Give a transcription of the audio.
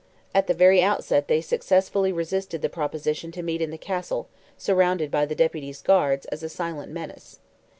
At the very outset they successfully resisted the proposition to meet in the Castle, surrounded by the Deputy's guards, as a silent menace.